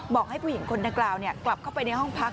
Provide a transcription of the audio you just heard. บอกให้ผู้หญิงคนดังกล่าวกลับเข้าไปในห้องพัก